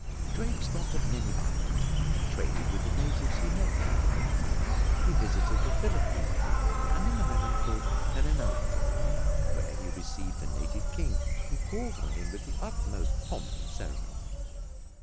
Drake stopped at many islands and traded with the natives he met there. He visited the Philippines and an island called Terenate, where he received a native king who called on him with the utmost pomp and ceremony.